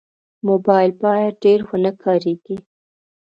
موبایل باید ډېر ونه کارېږي.